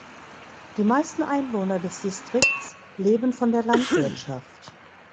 Die meisten Einwohner des Distrikts leben von der Landwirtschaft.